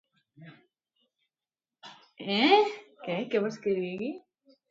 I amb el partit Junts per Reus?